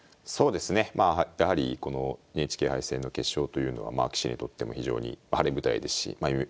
そうですねまあやはりこのＮＨＫ杯戦の決勝というのはまあ棋士にとっても非常に晴れ舞台ですしまあ